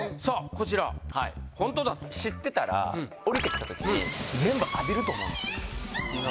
こちら「ホント」だと知ってたらおりてきた時に全部浴びると思うんですよ